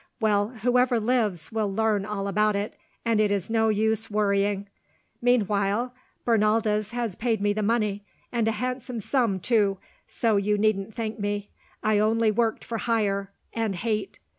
Well, whoever lives will learn all about it, and it is no use worrying. Meanwhile, Bernaldez has paid me the money—and a handsome sum too—so you needn't thank me. I only worked for hire—and hate.